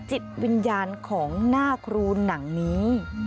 จิตวิญญาณของหน้าครูหนังนี้